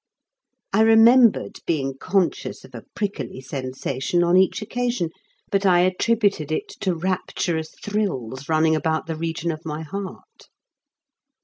I remembered being conscious of a prickly sensation on each occasion, but I attributed it to rapturous thrills running about the region of my heart.